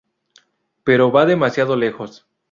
Pero va demasiado lejos.